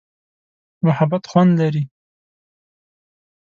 محبت خوند لري.